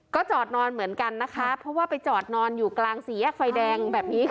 ก็จอดนอนเหมือนกันนะคะเพราะว่าไปจอดนอนอยู่กลาง